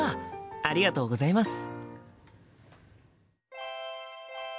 ありがとうございます。